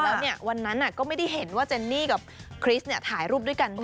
แล้วเนี่ยวันนั้นก็ไม่ได้เห็นว่าเจนนี่กับคริสถ่ายรูปด้วยกัน